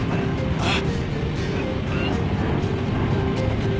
あっ。